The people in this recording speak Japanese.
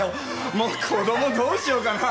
もう子供どうしようかなって。